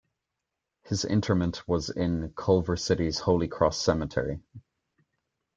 His interment was is in Culver City's Holy Cross Cemetery.